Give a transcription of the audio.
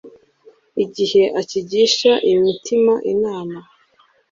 igihe akigisha imitima inama